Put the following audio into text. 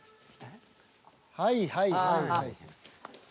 はいはいはいはい。